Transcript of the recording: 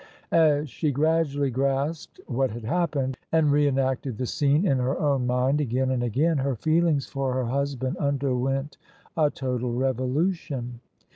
As she gradually grasped what had happened, and re enacted the scene in her own mind again and again, her feelings for her husband underwent b. total revolution.